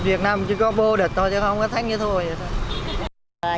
việt nam chỉ có bố địch thôi chứ không có thắng như thua vậy thôi